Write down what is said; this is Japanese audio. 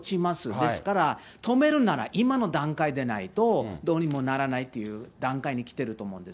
ですから、止めるなら今の段階でないと、どうにもならないっていう段階にきてると思うんです。